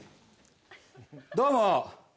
どうも！